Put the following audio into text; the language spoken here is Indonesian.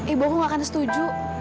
ibuku gak akan setuju